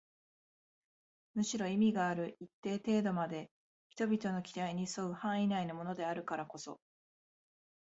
むしろ意味がある一定程度まで人々の期待に添う範囲内のものであるからこそ